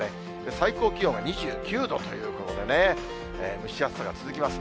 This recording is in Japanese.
最高気温が２９度ということでね、蒸し暑さが続きます。